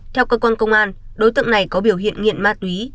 theo cơ quan công an đối tượng này có biểu hiện nghiện ma túy